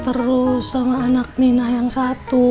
terus sama anak minah yang satu